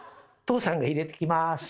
父さんが入れてきます。